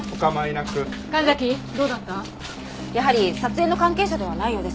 やはり撮影の関係者ではないようです。